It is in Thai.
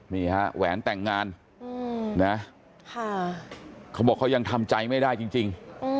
นี่ฮะแหวนแต่งงานนะเขาบอกเขายังทำใจไม่ได้จริง